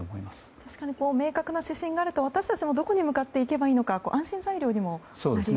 確かに明確な指針があると私たちもどこに向かえばいいか安心材料にもなりますよね。